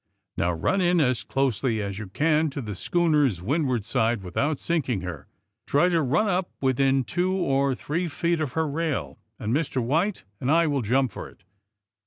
'^Now, run in as closely as you can to the schooner's windward side without sinking her. Try to run up within two or three feet of her rail, and Mr. White and I will jump for it.